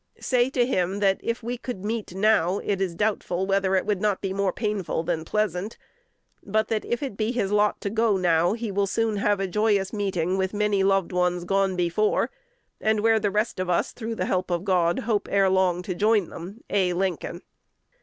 Say to him, that, if we could meet now, it is doubtful whether it would not be more painful than pleasant; but that, if it be his lot to go now, he will soon have a joyous meeting with many loved ones gone before, and where the rest of us, through the help of God, hope ere long to join them. "A. Lincoln."